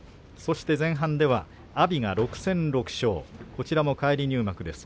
前半阿炎６戦全勝返り入幕です。